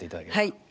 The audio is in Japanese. はい！